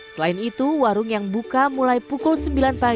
selain itu warung yang buka mulai pukul sembilan pagi hingga pukul tujuh malam ini